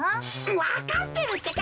わかってるってか！